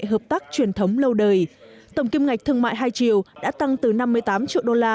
hợp tác truyền thống lâu đời tổng kim ngạch thương mại hai triệu đã tăng từ năm mươi tám triệu đô la